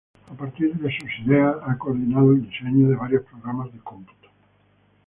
A partir de sus ideas, ha coordinado el diseño de varios programas de cómputo.